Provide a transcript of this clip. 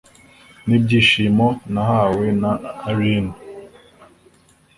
n'ibyishimo nahawe na allayne.